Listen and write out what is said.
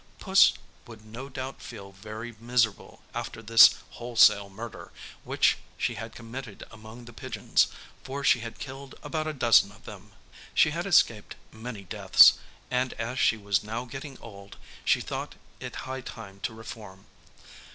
Puss would no doubt feel very miserable after this wholesale murder, which she had committed among the pigeons, for she had killed about a dozen of them. She had escaped many deaths, and as she was now getting old, she thought it high time to reform.